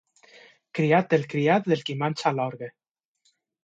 Criat del criat del qui manxa l'orgue.